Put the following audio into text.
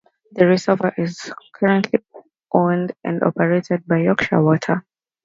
The reservoir is currently owned and operated by Yorkshire Water.